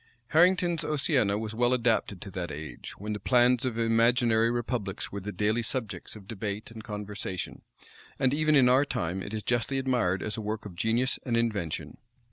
Harrington's Oceana was well adapted to that age, when the plans of imaginary republics were the daily subjects of debate and conversation; and even in our time, it is justly admired as a work of genius and invention.